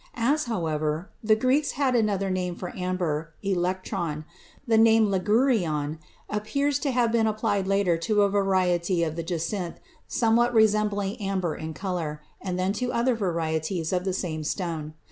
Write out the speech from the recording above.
As, however, the Greeks had another name for amber, electron, the name ligurion appears to have been applied later to a variety of the jacinth somewhat resembling amber in color, and then to other varieties of the same stone.